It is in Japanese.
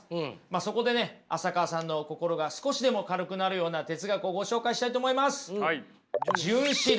そこでね浅川さんの心が少しでも軽くなるような哲学をご紹介したいと思います。